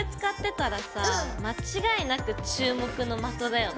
間違いなく注目の的だよね。